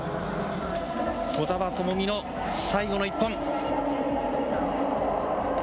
兎澤朋美の最後の１本。